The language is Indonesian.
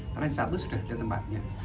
transisi satu sudah ada tempatnya